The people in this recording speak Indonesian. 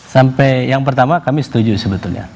sampai yang pertama kami setuju sebetulnya